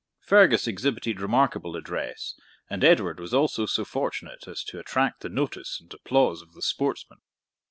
Fergus exhibited remarkable address, and Edward was also so fortunate as to attract the notice and applause of the sportsmen.